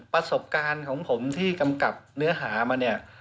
ประสบการณ์ของผมที่กำกับเนื้อหามาเนี่ย